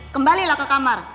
kembalilah ke kamar